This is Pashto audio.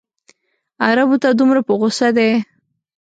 عربو ته دومره په غوسه دی.